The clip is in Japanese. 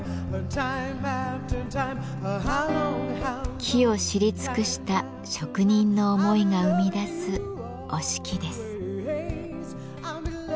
木を知り尽くした職人の思いが生み出す折敷です。